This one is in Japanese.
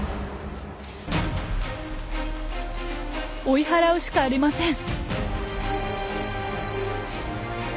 追い払うしかありません。